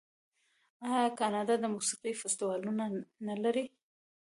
آیا کاناډا د موسیقۍ فستیوالونه نلري؟